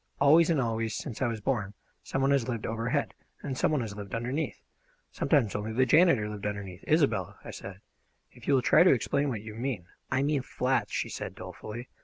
Always and always, since I was born, some one has lived overhead, and some one has lived underneath. Sometimes only the janitor lived underneath " "Isobel," I said, "if you will try to explain what you mean " "I mean flats," she said dolefully.